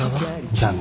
残念。